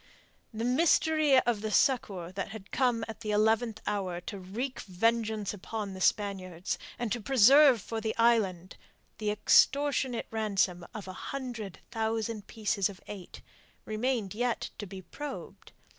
The mystery of the succour that had come at the eleventh hour to wreak vengeance upon the Spaniards, and to preserve for the island the extortionate ransom of a hundred thousand pieces of eight, remained yet to be probed.